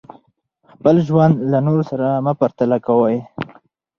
خپل ژوند له نورو سره مه پرتله کوئ.